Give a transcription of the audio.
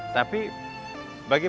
tapi bagi para arifin